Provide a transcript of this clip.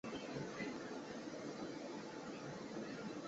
福崎南匝道是位于兵库县神崎郡福崎町的播但连络道路之匝道。